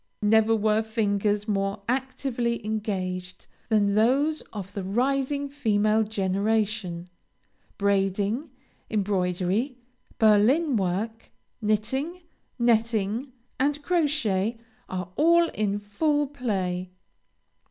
Never were fingers more actively engaged than those of the rising female generation; braiding, embroidery, Berlin work, knitting, netting, and crochet, are all in full play.